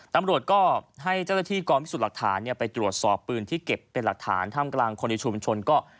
ตำรวจก็ให้เจ้าหน้าที่กองพิสูจน์หลักฐานไปตรวจสอบปืนที่เก็บเป็นหลักฐานท่ามกลางคนในชุมชนก็